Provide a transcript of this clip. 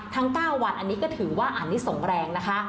ทั้ง๙วันอันนี้ก็ถือว่าอันนี้ส่งแรงนะคะ